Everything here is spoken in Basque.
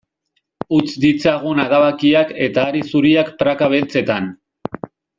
Utz ditzagun adabakiak eta hari zuriak praka beltzetan.